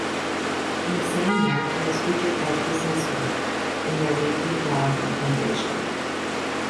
In the same year, it was featured by "BusinessWeek" in their weekly blog recommendation.